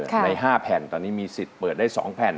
ใน๕แผ่นตอนนี้มีสิทธิ์เปิดได้๒แผ่น